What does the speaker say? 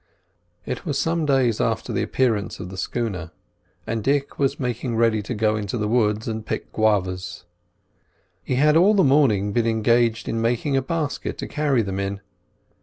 It was some days after the appearance of the schooner, and Dick was making ready to go into the woods and pick guavas. He had all the morning been engaged in making a basket to carry them in.